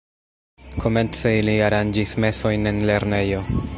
Komence ili aranĝis mesojn en lernejo.